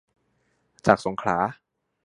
จากสงขลา